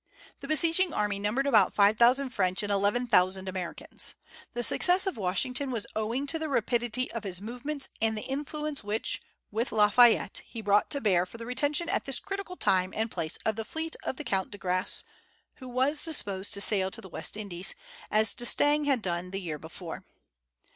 The besieging army numbered about five thousand French and eleven thousand Americans. The success of Washington was owing to the rapidity of his movements, and the influence which, with La Fayette, he brought to bear for the retention at this critical time and place of the fleet of the Count de Grasse, who was disposed to sail to the West Indies, as D'Estaing had done the year before.